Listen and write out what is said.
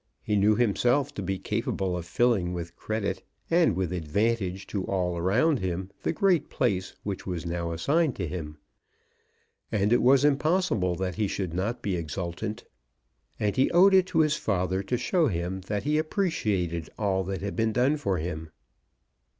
He knew himself to be capable of filling with credit, and with advantage to all around him, the great place which was now assigned to him, and it was impossible that he should not be exultant. And he owed it to his father to show him that he appreciated all that had been done for him.